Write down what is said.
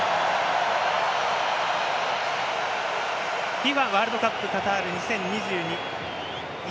ＦＩＦＡワールドカップカタール２０２２１